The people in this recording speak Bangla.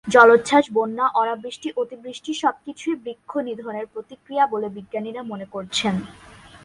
জলোচ্ছাস, বন্যা, অনাবৃষ্টি, অতিবৃষ্টি সব কিছুই বৃক্ষনিধণের প্রতিক্রিয়া বলে বিজ্ঞানীরা মনে করছেন।